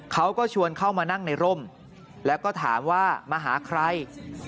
เขาก็ชวนเข้ามานั่งในร่มแล้วก็ถามว่ามาหาใคร